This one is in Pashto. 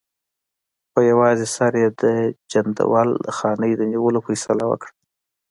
په یوازې سر یې د جندول د خانۍ د نیولو فیصله وکړه.